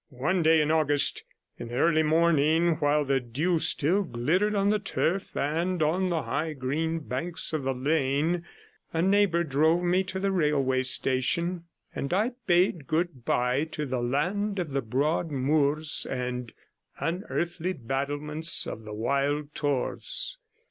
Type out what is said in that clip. One day in August, in the early morning, while the dew still glittered on the turf, and on the high green banks of the lane, a neighbour drove me to the railway station, and I bade good bye to the land of the broad moors and unearthly battlements of the wild tors.